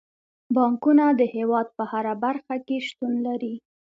بانکونه د هیواد په هره برخه کې شتون لري.